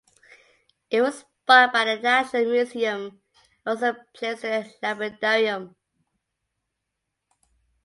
It was bought by the National Museum and also placed in the lapidarium.